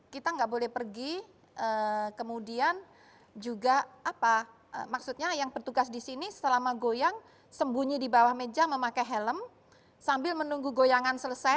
kita nggak boleh pergi kemudian juga apa maksudnya yang bertugas di sini selama goyang sembunyi di bawah meja memakai helm sambil menunggu goyangan selesai